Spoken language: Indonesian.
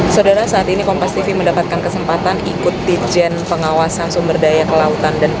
saudara saat ini kompas tv mendapatkan kesempatan ikut ditjen pengawasan sumber daya kelautan